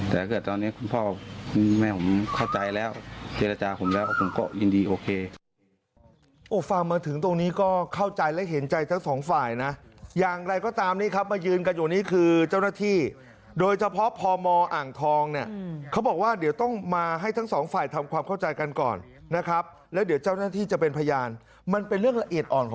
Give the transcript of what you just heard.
แต่ถ้าเกิดตอนนี้คุณพ่อคุณแม่ผมเข้าใจแล้วเจรจาผมแล้ว